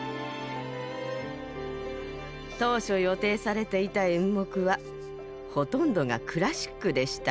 当初予定されていた演目はほとんどがクラシックでした。